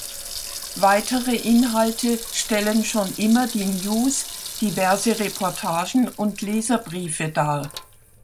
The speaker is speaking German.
Weitere Inhalte stellen schon immer die News, diverse Reportagen und Leserbriefe dar.